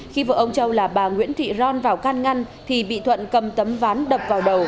khi vợ ông châu là bà nguyễn thị ron vào can ngăn thì bị thuận cầm tấm ván đập vào đầu